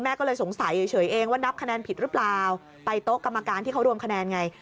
ก็เลยสงสัยเฉยเองว่านับคะแนนผิดหรือเปล่าไปโต๊ะกรรมการที่เขารวมคะแนนไง